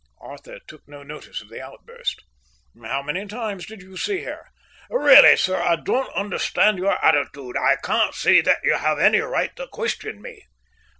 Arthur took no notice of the outburst. "How many times did you see her?" "Really, sir, I don't understand your attitude. I can't see that you have any right to question me."